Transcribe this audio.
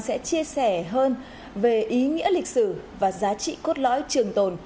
sẽ chia sẻ hơn về ý nghĩa lịch sử và giá trị cốt lõi trường tồn